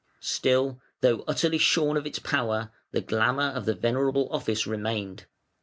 Still, though utterly shorn of its power, the glamour of the venerable office remained.